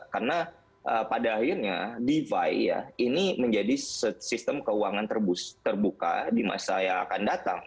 karena pada akhirnya defi ya ini menjadi sistem keuangan terbuka di masa yang akan datang